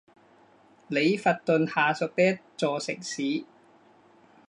里弗顿下属的一座城市。